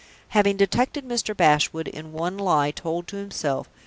Having detected Mr. Bashwood in one lie told to himself.